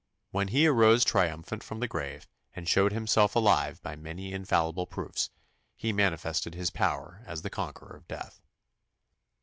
When He arose triumphant from the grave and showed Himself alive by many infallible proofs, He manifested His power as the conqueror of death.